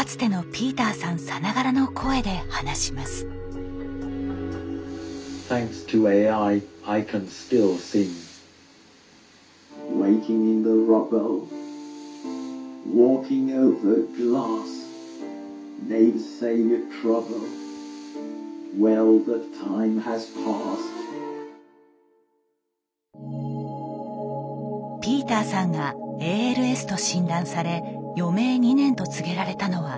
ピーターさんがＡＬＳと診断され余命２年と告げられたのは４年前のこと。